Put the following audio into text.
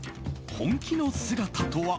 本気の姿とは？